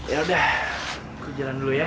ya udah aku jalan dulu ya